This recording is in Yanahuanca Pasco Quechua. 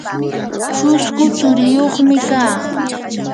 chusku tsuriyuqmi kaa.